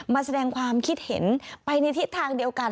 มาแสดงความคิดเห็นไปในทิศทางเดียวกัน